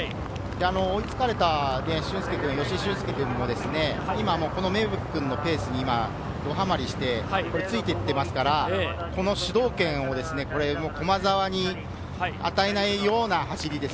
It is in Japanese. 追いつかれた駿恭君も今、芽吹君のペースにドハマりして、着いて行っていますから、主導権を駒澤に与えないような走りです。